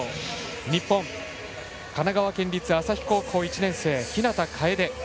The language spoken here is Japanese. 日本、神奈川県立旭高校１年生日向楓。